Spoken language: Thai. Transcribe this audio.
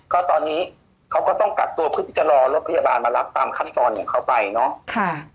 ก็ตอนนี้เขาก็ต้องกักตัวเพื่อที่จะรอรถพยาบาลมารับตามขั้นตอนของเขาไปเนาะ